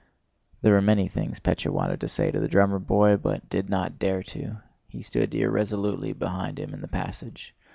* "Thank you, sir." There were many things Pétya wanted to say to the drummer boy, but did not dare to. He stood irresolutely beside him in the passage.